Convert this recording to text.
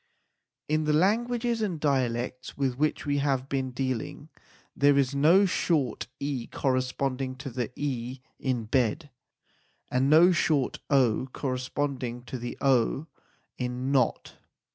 In the languages and dialects with which we have been dealing there is no short e corresponding to the e in bed and no short o corresponding to the o in not.